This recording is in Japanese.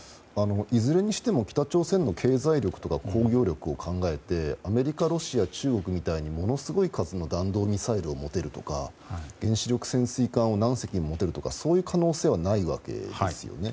いずれにしても北朝鮮の経済力などを考えてアメリカ、ロシア、中国みたいにすごい数の弾道ミサイルを持てるとか原子力潜水艦を持てるとかそういう可能性はないわけですよね。